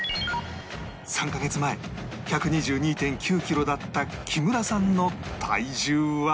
３カ月前 １２２．９ キロだった木村さんの体重は